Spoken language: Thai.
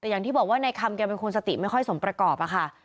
แต่อย่างที่บอกว่าในคำแกเป็นคนสติไม่ค่อยสมประกอบอะค่ะ